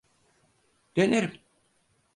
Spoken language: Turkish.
Denerim.